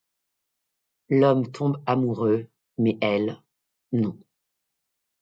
L'homme tombe amoureux, mais elle non.